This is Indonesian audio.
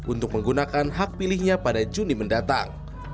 untuk menggunakan hak pilihnya pada juni mendatang